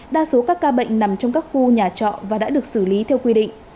đa số các ca bệnh nằm trong các khu nhà trọ và đã được xử lý theo quy định